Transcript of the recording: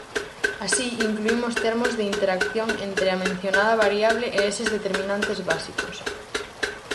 Así, incluímos termos de interacción entre a mencionada variable e eses determinantes básicos.